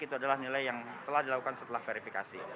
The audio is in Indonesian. itu adalah nilai yang telah dilakukan setelah verifikasi